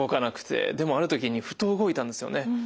でもある時にふと動いたんですよね。